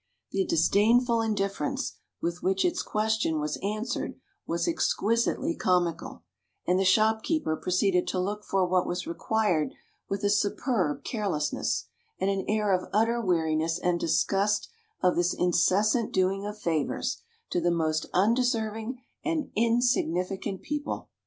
The disdainful indifference with which its question was answered was exquisitely comical; and the shopkeeper proceeded to look for what was required with a superb carelessness, and an air of utter weariness and disgust of this incessant doing of favors to the most undeserving and insignificant people.